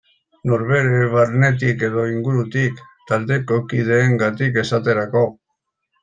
Norbere barnetik edo ingurutik, taldeko kideengatik esaterako.